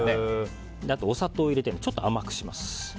あと、お砂糖を入れてちょっと甘くします。